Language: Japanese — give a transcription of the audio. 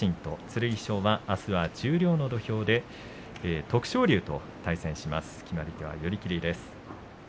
剣翔は、あすは十両の土俵で徳勝龍と対戦します。